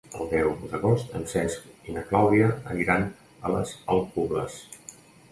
El deu d'agost en Cesc i na Clàudia aniran a les Alcubles.